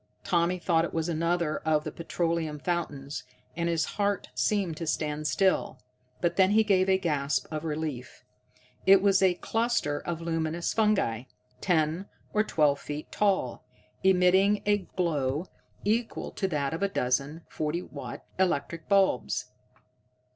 Tommy thought it was another of the petroleum fountains, and his heart seemed to stand still. But then he gave a gasp of relief. It was a cluster of luminous fungi, ten or twelve feet tall, emitting a glow equal to that of a dozen 40 watt electric bulbs.